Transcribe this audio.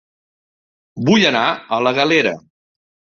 Vull anar a La Galera